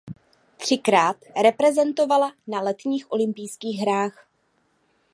Třikrát reprezentovala na letních olympijských hrách.